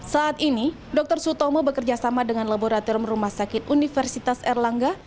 saat ini dr sutomo bekerjasama dengan laboratorium rumah sakit universitas erlangga